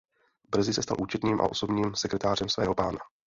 Brzy se stal účetním a osobním sekretářem svého pána.